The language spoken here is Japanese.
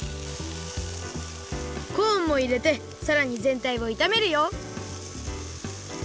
コーンもいれてさらにぜんたいをいためるよ